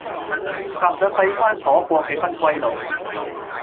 踏上閉關鎖國嘅不歸路